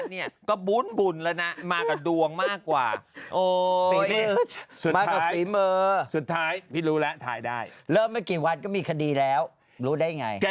นี่หนูพอยที่หลังโพสต์อะไรนะบอกให้มันมีใบ้นิดหน่อย